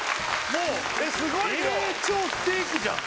もうえすごいよ超ステーキじゃん